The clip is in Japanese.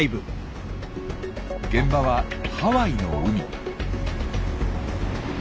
現場はハワイの海。